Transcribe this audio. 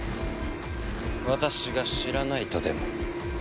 私が知らないとでも？